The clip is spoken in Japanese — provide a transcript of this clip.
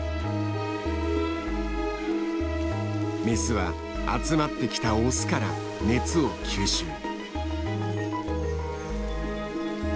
メスは集まってきたオスから熱を吸収。